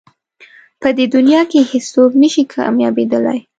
په دې دنیا کې هېڅ څوک نه شي کامیابېدلی.